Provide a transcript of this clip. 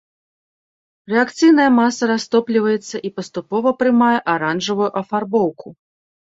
Рэакцыйная маса растопліваецца і паступова прымае аранжавую афарбоўку.